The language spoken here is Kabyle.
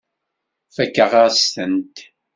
Fakeɣ-asen-tent.